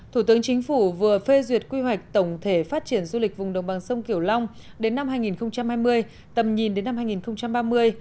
thủ tướng chính phủ vừa phê duyệt quy hoạch tổng thể phát triển du lịch vùng đồng bằng sông kiểu long đến năm hai nghìn hai mươi tầm nhìn đến năm hai nghìn ba mươi